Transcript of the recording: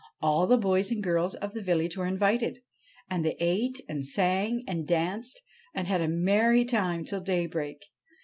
All the boys and girls of the village were invited, and they ate and sang and danced and had a merry time till daybreak.